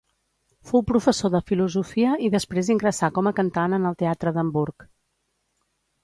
Fou professor de filosofia i després ingressà com a cantant en el teatre d'Hamburg.